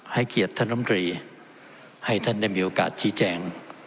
ให้เกียรติท่านลำตรีให้ท่านได้มีโอกาสชี้แจง